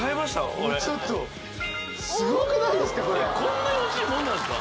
俺ちょっとすごくないですかこれこんなに落ちるもんなんすか？